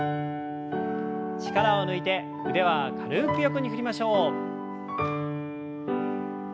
力を抜いて腕は軽く横に振りましょう。